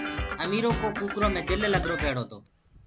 اميرو ڪو ڪوڪرو مي دل لگرو پيڙو تو